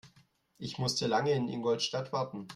Ich musste lange in Ingolstadt warten